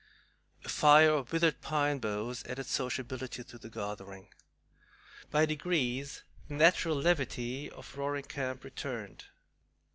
A fire of withered pine boughs added sociability to the gathering. By degrees the natural levity of Roaring Camp returned.